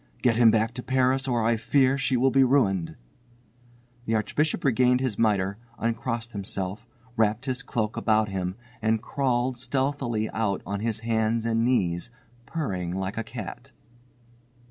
Get him back to Paris or I fear she will be ruined." The Archbishop regained his mitre, uncrossed himself, wrapped his cloak about him, and crawled stealthily out on his hands and knees, purring like a cat.